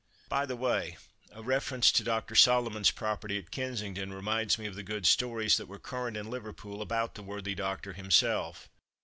By the way, a reference to Dr. Solomon's property, at Kensington, reminds me of the good stories that were current in Liverpool about the worthy doctor himself.